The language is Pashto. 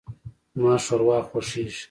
زما ښوروا خوښیږي.